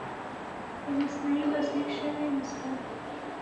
د مثنوي لاسلیک شوې نسخه وه.